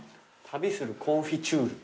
「旅するコンフィチュール」